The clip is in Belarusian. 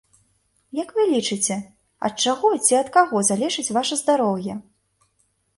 Як вы лічыце, ад чаго ці ад каго залежыць ваша здароўе?